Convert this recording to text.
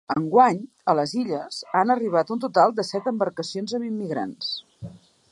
Enguany, a les Illes, han arribat un total de set embarcacions amb immigrants.